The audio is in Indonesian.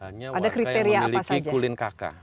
hanya warga yang memiliki kulin kakak